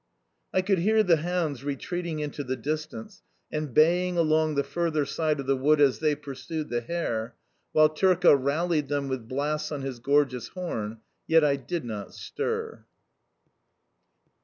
I could hear the hounds retreating into the distance, and baying along the further side of the wood as they pursued the hare, while Turka rallied them with blasts on his gorgeous horn: yet I did not stir.